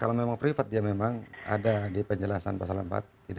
kalau memang privat dia memang ada di penjelasan pasal empat